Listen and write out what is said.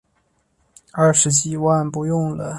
二十几万不用了